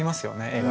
絵が。